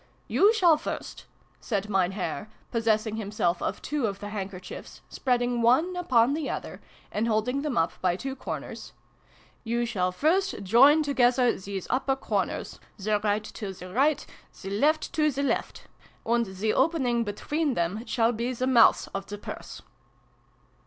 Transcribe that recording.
f> " You shall first," said Mein Herr, possessing himself of two of the handkerchiefs, spreading one upon the other, and holding them up by two corners, " you shall first join together these upper corners, the right to the right, the left to the left ; and the opening between them shall be the mouth of the Purse."